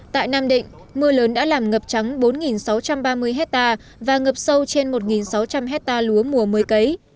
tại nam định mưa lớn đã làm ngập trắng bốn sáu trăm ba mươi hectare và ngập sâu trên một sáu trăm linh hectare lúa mùa một mươi cấy